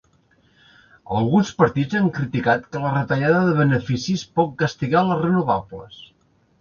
Alguns partits han criticat que la retallada de beneficis pot castigar les renovables.